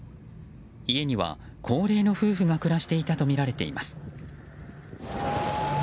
家には、高齢の夫婦が暮らしていたとみられています。